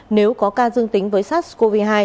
nếu có ca dương tính với sars cov hai